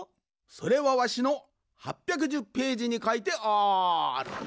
それはわしの８１０ページにかいてある。